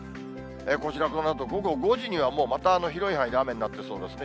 こちら、このあと午後５時には、もうまた広い範囲で雨になってそうですね。